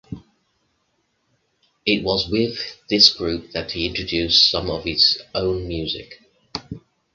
It was with this group that he introduced some of his own music.